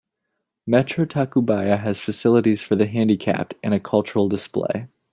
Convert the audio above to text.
Metro Tacubaya has facilities for the handicapped, and a cultural display.